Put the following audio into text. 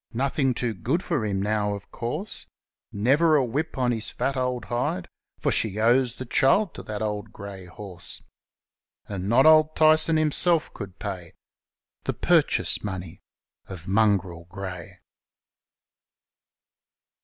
Nothing too good for him now, of course; Never a whip on his fat old hide, For she owes the child to that brave grey horse. And not Old Tyson himself could pay The purchase money of Mongrel Grey.